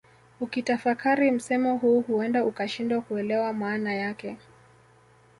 Ukitafakari msemo huu huenda ukashindwa kuelewa maana yake